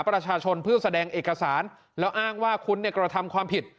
ประชาชนเพื่อแสดงเอกสารแล้วอ้างว่าคุณเนี่ยกระทำความผิด